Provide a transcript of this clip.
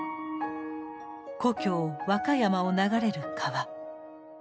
故郷和歌山を流れる川。